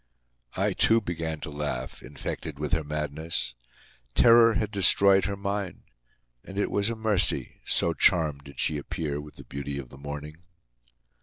I, too, began to laugh, infected with her madness. Terror had destroyed her mind; and it was a mercy, so charmed did she appear with the beauty of the morning.